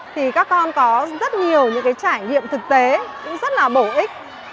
thì các con có rất nhiều những trải nghiệm thực tế rất là bổ ích